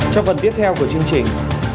trong phần tiếp theo của chương trình